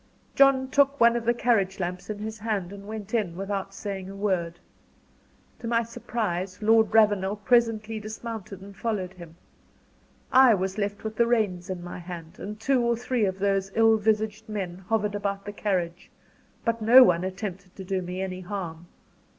John took one of the carriage lamps in his hand, and went in, without saying a word. To my surprise Lord Ravenel presently dismounted and followed him. I was left with the reins in my hand, and two or three of those ill visaged men hovered about the carriage; but no one attempted to do me any harm.